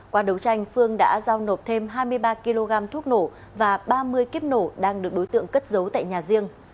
qua đấu tranh phương đã giao nộp thêm hai mươi ba kg thuốc nổ và ba mươi kiếp nổ đang được đối tượng cất giấu tại nhà riêng